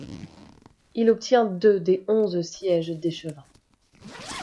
Il obtient deux des onze sièges d'échevins.